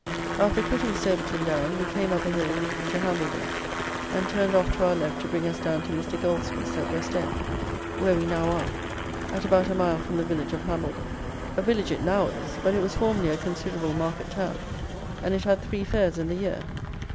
After quitting Soberton Down, we came up a hill leading to Hambledon, and turned off to our left to bring us down to Mr. Goldsmith's at West End, where we now are, at about a mile from the village of Hambledon. A village it now is; but it was formerly a considerable market town, and it had three fairs in the year.